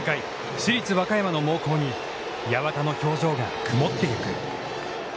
市立和歌山の猛攻に八幡の表情が曇ってゆく。